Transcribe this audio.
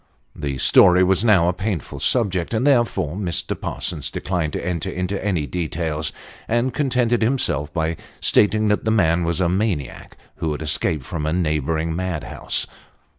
The story was now a painful subject, and therefore Mr. Parsons declined to enter into any details, and contented himself by stating that the man was a maniac, who had escaped from a neighbouring mad house.